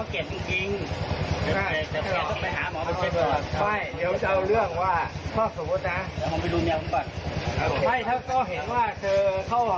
หรือสิทธิ์พ่อด้วยครับ